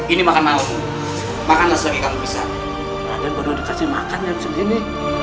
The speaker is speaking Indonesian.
ini makan mau makanya sebagai kamu bisa